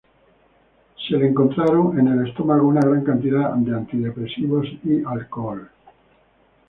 Se le encontraron en el estómago una gran cantidad de antidepresivos y alcohol.